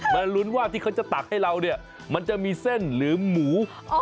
ลุ้นว่าที่เขาจะตักให้เราเนี่ยมันจะมีเส้นหรือหมู